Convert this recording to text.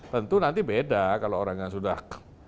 tentu nanti beda kalau orang yang sudah